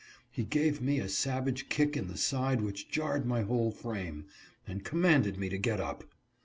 He gave me a savage kick in the side which jarred my whole frame, and commanded me to get up.